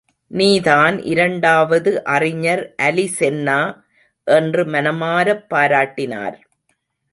நீ தான் இரண்டாவது அறிஞர் அலி சென்னா என்று மனமாரப் பாராட்டினார்.